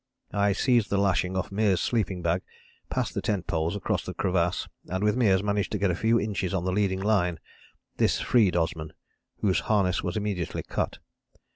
I seized the lashing off Meares' sleeping bag, passed the tent poles across the crevasse, and with Meares managed to get a few inches on the leading line; this freed Osman, whose harness was immediately cut.